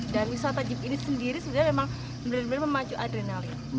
dan wisata jeep ini sendiri sebenarnya memang benar benar memacu adrenalin